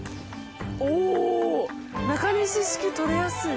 おぉ中西式取れやすい。